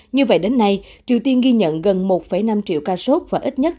như vậy đến nay triều tiên ghi nhận gần một năm triệu ca sốt và ít nhất